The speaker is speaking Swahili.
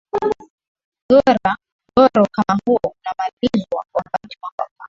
goro kama huo unamalizwa kwa wakati mwafaka